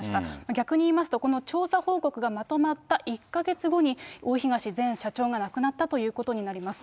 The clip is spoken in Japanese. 逆に言いますと、この調査報告がまとまった１か月後に、大東前社長が亡くなったということになります。